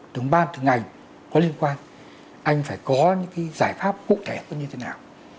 từng ban từng ngành có liên quan anh phải có những cái giải pháp cụ thể có như thế nào